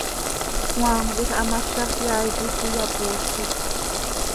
Cmaam quij hamazaj yaai quij iyapoozi.